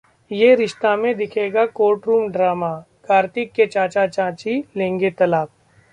ये रिश्ता में दिखेगा कोर्ट रूम ड्रामा, कार्तिक के चाचा-चाची लेंगे तलाक?